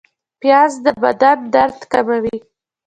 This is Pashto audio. پیاز د بدن درد کموي